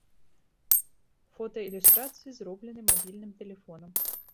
Фотаілюстрацыі зроблены мабільным тэлефонам.